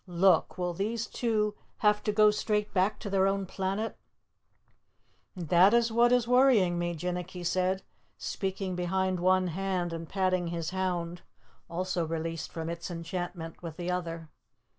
"Look, will these two have to go straight back to their own planet?" "That is what is worrying me," Jinnicky said, speaking behind one hand and patting his hound, also released from its enchantment, with the other.